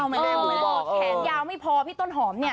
บอกแขนยาวไม่พอพี่ต้นหอมเนี่ย